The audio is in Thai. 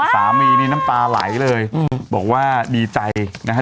สามีนี่น้ำตาไหลเลยบอกว่าดีใจนะฮะ